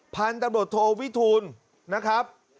ผ่านตำรวจโทวิทูลนะครับ